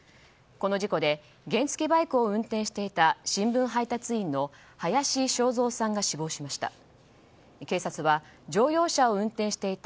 この事故で原付きバイクを運転していた新聞配達員の林正三さんが死亡しました。